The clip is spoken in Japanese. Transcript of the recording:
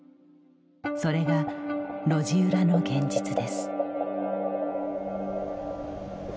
それが路地裏の現実です。